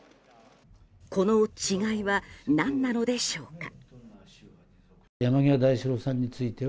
この違いは何なのでしょうか。